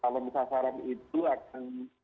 kalau sasaran itu akan